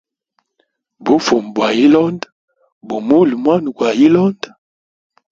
Bufumu bwa hilonda bumulya mwana gwa ilonda.